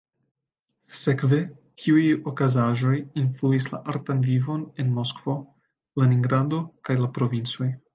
Sekve, tiuj okazaĵoj influis la artan vivon en Moskvo, Leningrado, kaj la provincoj.